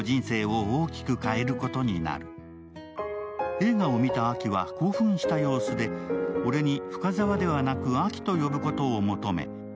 映画を見たアキは興奮した様子で俺に深沢ではなくアキと呼ぶことを求め